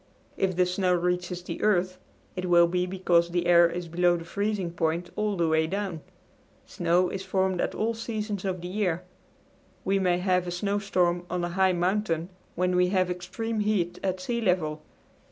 If the snow reaches the earth it will be because the air is below the freezing point all the way down. Snow is formed at all seasons of the year. We may have a snowstorm on a high mountain when we have extreme heat at sea level.